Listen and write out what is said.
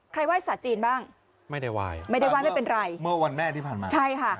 ไห้สาจีนบ้างไม่ได้ไหว้ไม่ได้ไหว้ไม่เป็นไรเมื่อวันแม่ที่ผ่านมาใช่ค่ะ